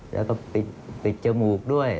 แล้วก็ปิดจมูกด้วย